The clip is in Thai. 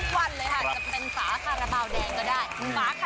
จะเป็นฝาคาราเบาแดงก็ได้